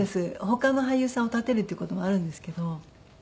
他の俳優さんを立てるっていう事もあるんですけど。